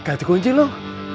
gak dikunci loh